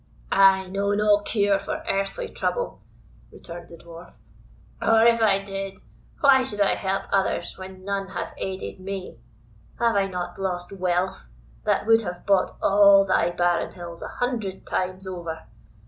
"I know no cure for earthly trouble," returned the Dwarf "or, if I did, why should I help others, when none hath aided me? Have I not lost wealth, that would have bought all thy barren hills a hundred times over?